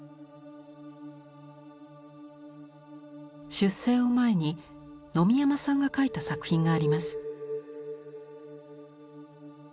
出征を前に野見山さんが描いた作品があります。